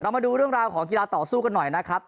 มาดูเรื่องราวของกีฬาต่อสู้กันหน่อยนะครับ